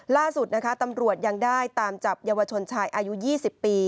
ล่าสุดนะคะตำรวจยังได้ตามจับเยาวชนชายอายุ๒๐ปี